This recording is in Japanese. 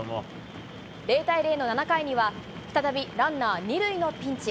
０対０の７回には、再びランナー２塁のピンチ。